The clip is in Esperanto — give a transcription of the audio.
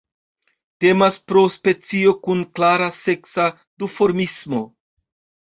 Temas pro specio kun klara seksa duformismo.